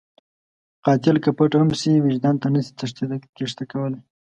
قاتل که پټ هم شي، وجدان ته نشي تېښته کولی